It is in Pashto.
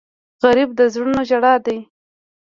غریب د زړونو ژړا دی